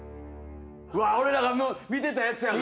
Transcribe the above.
うわっ俺らが見てたやつやから。